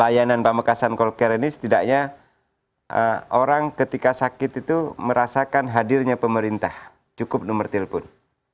layanan pamekasan call care ini setidaknya orang ketika sakit itu merasakan hadirnya pemerintah cukup nomor telepon